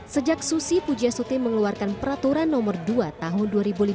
sejak susi pujasuti mengeluarkan peraturan nomor dua tahun dua ribu lima belas